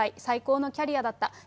最高のキャリアだった。